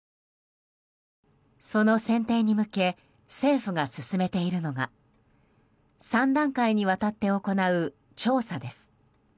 その選定に向け政府が進めているのが３段階にわたって行う調査です。